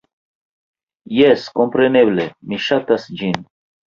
Jes, kompreneble, mi ŝatas ĝin!